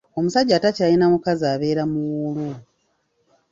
Omusajja atakyalina mukazi abeera muwuulu.